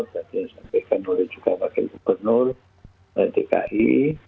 dan disampaikan oleh juga wakil gubernur dki